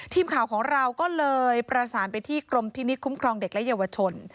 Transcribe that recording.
ทีมข่าวของเราก็เลยประสานไปที่กรมพินิษฐคุ้มครองเด็กและเยาวชน